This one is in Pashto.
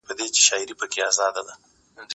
که وخت وي، پوښتنه کوم!